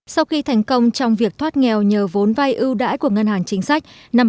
sau khi thành công trong việc thoát nghèo nhờ vốn vay ưu đãi của ngân hàng chính sách